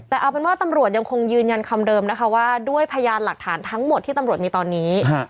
แต่เอาเป็นว่าตำรวจยังคงยืนยันคำเดิมนะคะว่าด้วยพยานหลักฐานทั้งหมดที่ตำรวจมีตอนนี้